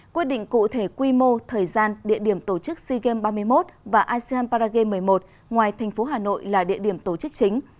quyết định cụ thể quy mô thời gian địa điểm tổ chức sea games ba mươi một và asean paragame một mươi một ngoài thành phố hà nội là địa điểm tổ chức chính